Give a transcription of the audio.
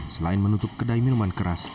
selain menutup kedai minuman keras